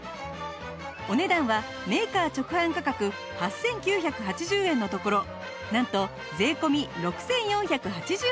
お値段はメーカー直販価格８９８０円のところなんと税込６４８０円